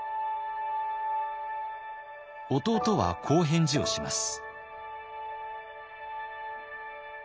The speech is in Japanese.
弟はこう返事をします。